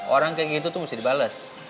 orang kayak gitu tuh mesti dibales